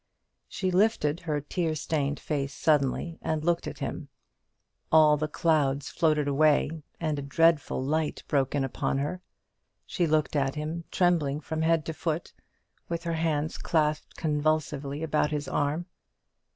She lifted her tear stained face suddenly and looked at him. All the clouds floated away, and a dreadful light broke in upon her; she looked at him, trembling from head to foot, with her hands clasped convulsively about his arm.